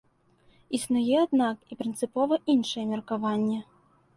Існуе, аднак, і прынцыпова іншае меркаванне.